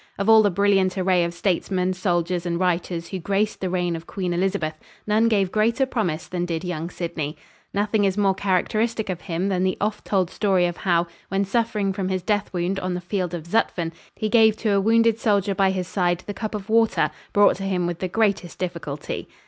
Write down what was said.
Of all the brilliant array of statesmen, soldiers and writers who graced the reign of Queen Elizabeth, none gave greater promise than did young Sidney. Nothing is more characteristic of him than the oft told story of how, when suffering from his death wound on the field of Zutphen, he gave to a wounded soldier by his side the cup of water brought to him with the greatest difficulty.